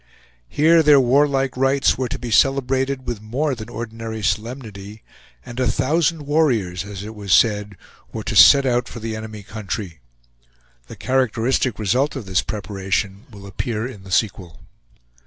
Here their war like rites were to be celebrated with more than ordinary solemnity, and a thousand warriors, as it was said, were to set out for the enemy country. The characteristic result of this preparation will appear in the sequel.